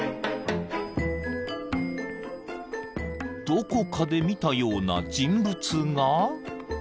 ［どこかで見たような人物画］